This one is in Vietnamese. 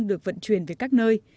cát được vận chuyển về các nơi